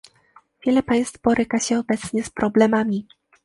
Wiele państw boryka się obecnie z problemami